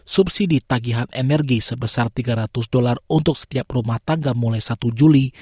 subsidi tagihan energi sebesar tiga ratus dolar untuk setiap rumah tangga mulai satu juli